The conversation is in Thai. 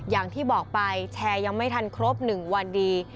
อย่างที่บอกไปแชร์ยังไม่ทันครบ๑วันดี